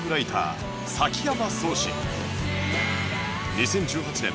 ２０１８年